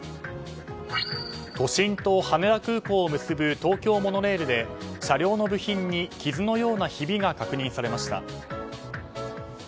都心と羽田空港を結ぶ東京モノレールで車両の部品に傷のようなひびが確認されました。